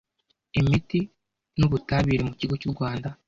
Imiti n ubutabire mu kigo cyurwanda